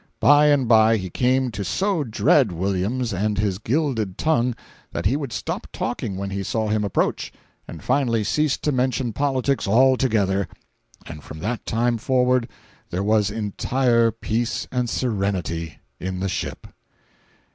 By and by he came to so dread Williams and his gilded tongue that he would stop talking when he saw him approach, and finally ceased to mention politics altogether, and from that time forward there was entire peace and serenity in the ship.